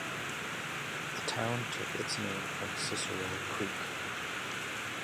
The town took its named from Cicero Creek.